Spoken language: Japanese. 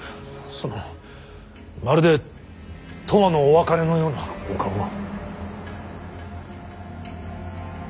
そのまるで永遠のお別れのようなお顔は。